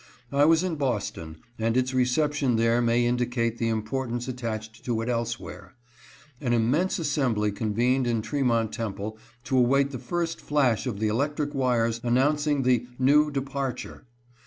I was in Boston, and its reception there may indicate the import ance attached to it elsewhere. An immense assembly convened in Tremont Temple to await the first flash of the electric wires announcing the " new departure."